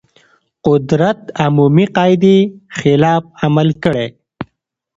قدرت عمومي قاعدې خلاف عمل کړی.